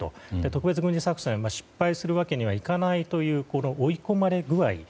特別軍事作戦を失敗するわけにはいかないという追い込まれ具合。